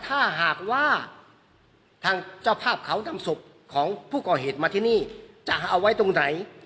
ถ้าหากว่าทางเจ้าภาพเขานำศพของผู้ก่อเหตุมาที่นี่จะเอาไว้ตรงไหน